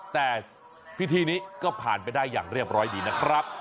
แต่พิธีนี้ก็ผ่านไปได้อย่างเรียบร้อยดีนะครับ